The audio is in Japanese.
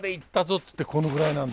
ってこのぐらいなんだ。